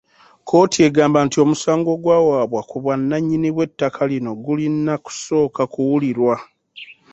Kkooti egamba nti omusango ogwawaabwa ku bwannannyini bw'ettaka lino gulina kusooka kuwulirwa.